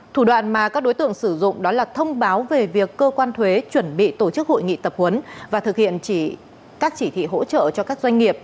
thủ đoạn mà các đối tượng sử dụng đó là thông báo về việc cơ quan thuế chuẩn bị tổ chức hội nghị tập huấn và thực hiện các chỉ thị hỗ trợ cho các doanh nghiệp